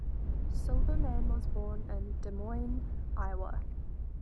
Silberman was born in Des Moines, Iowa.